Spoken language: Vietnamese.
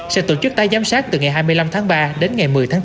sẽ tổ chức tái giám sát từ ngày hai mươi năm tháng ba đến ngày một mươi tháng bốn